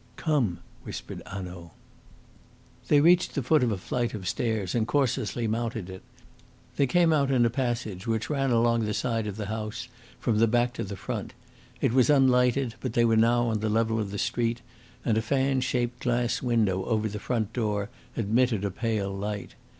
"Come," whispered Hanaud. They reached the foot of a flight of stairs, and cautiously mounted it. They came out in a passage which ran along the side of the house from the back to the front. It was unlighted, but they were now on the level of the street, and a fan shaped glass window over the front door admitted a pale light.